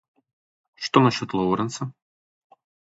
Что насчет Лоуренса?